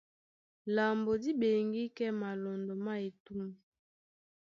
Lambo dí ɓeŋgí kɛ́ malɔndɔ má etûm.